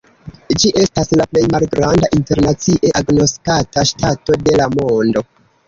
Ĝi estas la plej malgranda internacie agnoskata ŝtato de la mondo.